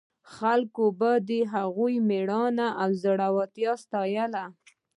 خلکو به د هغوی مېړانه او زړورتیا ستایله.